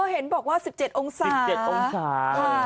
เห็นบอกว่า๑๗องศา